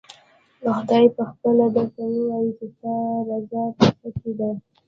خدای پخپله درته ووايي چې ستا رضا په څه کې ده؟